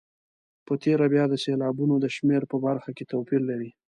په تېره بیا د سېلابونو د شمېر په برخه کې توپیر لري.